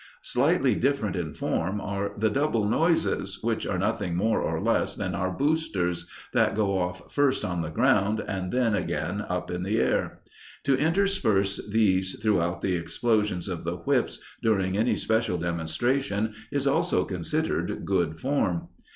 Slightly different in form are the "double noises," which are nothing more or less than our "boosters" that go off first on the ground and again up in the air. To intersperse these throughout the explosions of the whips during any special demonstration is also considered good form.